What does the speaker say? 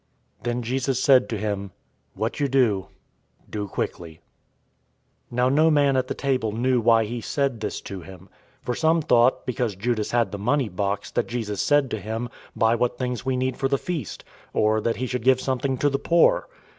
Then Jesus said to him, "What you do, do quickly." 013:028 Now no man at the table knew why he said this to him. 013:029 For some thought, because Judas had the money box, that Jesus said to him, "Buy what things we need for the feast," or that he should give something to the poor.